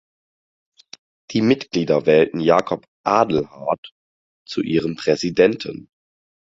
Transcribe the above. Die Mitglieder wählten Jakob Adlhart zu ihrem Präsidenten.